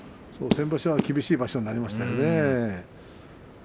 先場所は厳しい場所になりましたね。